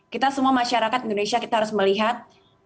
kita semua masyarakat indonesia kita harus melihat